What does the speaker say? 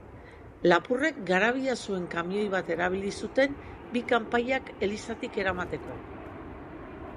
Lapurrek garabia zuen kamioi bat erabili zuten bi kanpaiak elizatik eramateko.